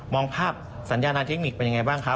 องภาพสัญญานาเทคนิคเป็นยังไงบ้างครับ